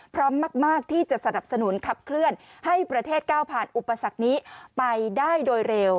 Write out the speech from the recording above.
พร้อมมากที่จะสนับสนุนขับเคลื่อนให้ประเทศก้าวผ่านอุปสรรคนี้ไปได้โดยเร็ว